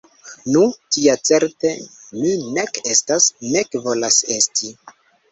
Nu, tia certe mi nek estas, nek volas esti.